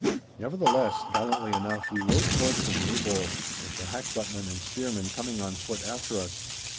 Nevertheless, gallantly enough we rode forth from Maybole, with the hackbuttmen and spearmen coming on foot after us.